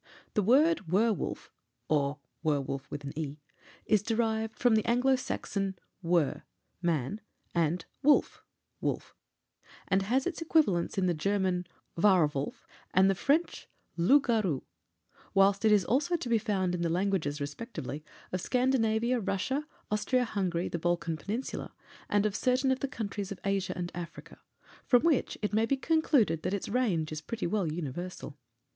The word werwolf (or werewolf) is derived from the Anglo Saxon wer, man, and wulf, wolf, and has its equivalents in the German Währwolf and French loup garou, whilst it is also to be found in the languages, respectively, of Scandinavia, Russia, Austria Hungary, the Balkan Peninsula, and of certain of the countries of Asia and Africa; from which it may be concluded that its range is pretty well universal.